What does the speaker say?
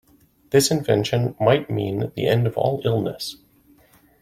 This invention might mean the end of all illness.